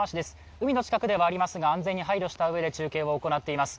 海の近くではありますが、安全に配慮したうえで中継を行っています。